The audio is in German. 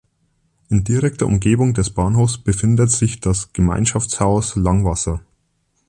In direkter Umgebung des Bahnhofs befindet sich das Gemeinschaftshaus Langwasser.